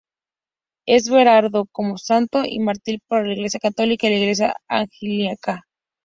Es venerado como santo y mártir por la Iglesia católica y la Iglesia anglicana.